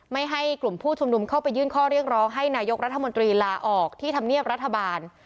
ไม่ให้กลุ่มผู้ชุมนุมเข้าไปยื่นข้อเรียกร้องให้นายกรัฐมนตรีลาออกที่ธรรมเนียบรัฐบาล